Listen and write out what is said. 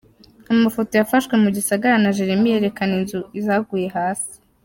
Amafoto yafashwe mu gisagara ca Jeremie yerekana inzu zaguye hasi.